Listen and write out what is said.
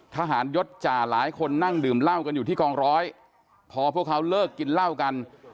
ทหารยศจ่าหลายคนนั่งดื่มเหล้ากันอยู่ที่กองร้อยพอพวกเขาเลิกกินเหล้ากัน